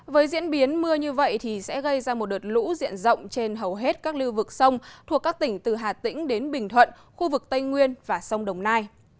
với diễn biến mưa như vậy thì sẽ gây ra một đợt lũ diện rộng trên hầu hết các lưu vực sông thuộc các tỉnh từ hà tĩnh đến bình thuận khu vực tây nguyên và sông đồng nai